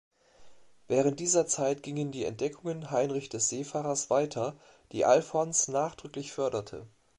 Während dieser Zeit gingen die Entdeckungen Heinrich des Seefahrers weiter, die Alfons nachdrücklich förderte.